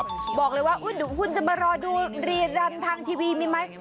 บอกเลยว่าเดี๋ยวคุณจะมารอดูรีรำทางทีวีมีไหม